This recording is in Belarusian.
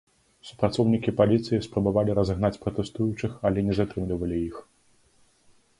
Супрацоўнікі паліцыі спрабавалі разагнаць пратэстуючых, але не затрымлівалі іх.